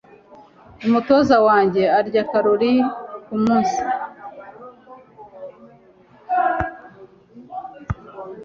Umutoza wanjye arya karori . kumunsi.